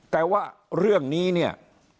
แต่ว่าเรื่องนี้เนี่ย